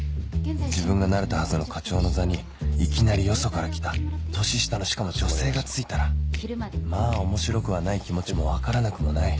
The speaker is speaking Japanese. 自分がなれたはずの課長の座にいきなりよそから来た年下のしかも女性が就いたらまぁ面白くはない気持ちも分からなくもない